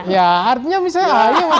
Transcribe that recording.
ya artinya misalnya